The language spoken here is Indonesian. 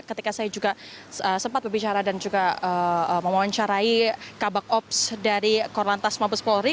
ketika saya juga sempat berbicara dan juga mewawancarai kabak ops dari korlantas mabes polri